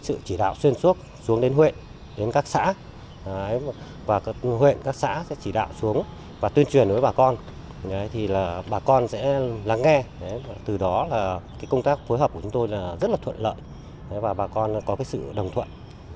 từ đó công tác phối hợp của chúng tôi rất là thuận lợi và bà con có sự đồng thuận